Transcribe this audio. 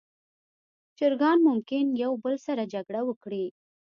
چرګان ممکن یو بل سره جګړه وکړي.